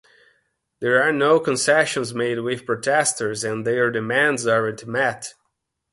There are no concessions made with protesters and their demands aren’t met.